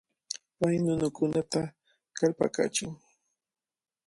Pay nunakunata kallpakachin.